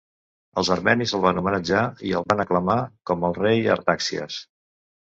Els armenis el van homenatjar i el van aclamar com el rei Artaxias.